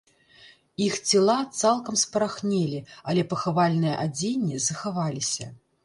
Іх цела цалкам спарахнелі, але пахавальныя адзенні захаваліся.